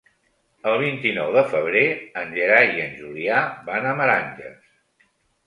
El vint-i-nou de febrer en Gerai i en Julià van a Meranges.